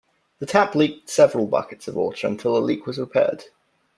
The tap leaked several buckets of water until the leak was repaired.